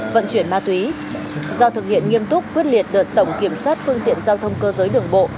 vận chuyển ma túy do thực hiện nghiêm túc quyết liệt đợt tổng kiểm soát phương tiện giao thông cơ giới đường bộ